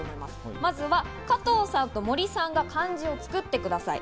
まずは加藤さんと森さんが漢字を作ってください。